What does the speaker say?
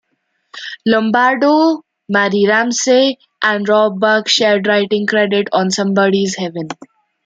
Lombardo, Mary Ramsey and Rob Buck shared writing credit on "Somebody's Heaven".